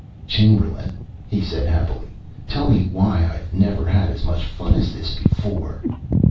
"Chamberlain," he said happily, "tell me why I've never had as much fun as this before!"